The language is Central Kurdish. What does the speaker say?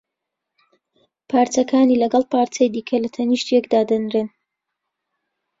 پارچەکانی لەگەڵ پارچەی دیکە لە تەنیشت یەک دادەنرێن